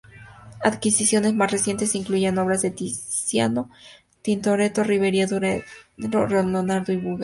Adquisiciones más recientes incluían obras de Tiziano, Tintoretto, Ribera, Durero, Leonardo y Brueghel.